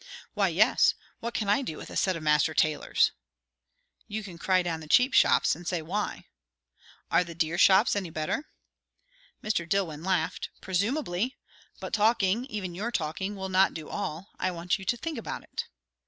"Why yes. What can I do with a set of master tailors?" "You can cry down the cheap shops; and say why." "Are the dear shops any better?" Mr. Dillwyn laughed. "Presumably! But talking even your talking will not do all. I want you to think about it."